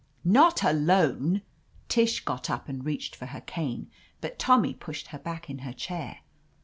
"Not alone !" Tish got up and reached for her cane, but Tommy pushed her back in her chair.